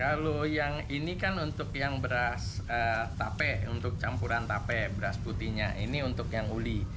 kalau yang ini kan untuk yang beras tape untuk campuran tape beras putihnya ini untuk yang uli